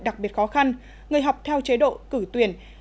đặc biệt khó khăn người học theo chế độ cử tuyển